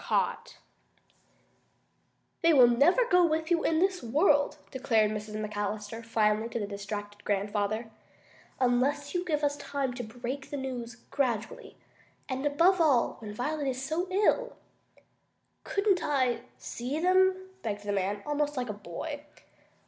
CAUGHT "They never will go with you in this world," declared Mrs. McAllister finally to the distracted grandfather, "unless you give us time to break the news gradually. And above all, when Violet is so ill." "Couldn't I see them?" begged the man, almost like a boy.